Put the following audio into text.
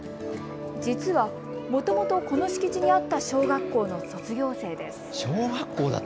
実は、もともとこの敷地にあった小学校の卒業生です。